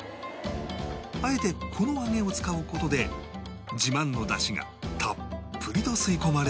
あえてこの揚げを使う事で自慢のだしがたっぷりと吸い込まれるのだという